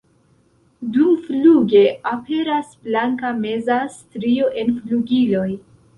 Dumfluge aperas blanka meza strio en flugiloj.